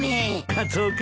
カツオ君。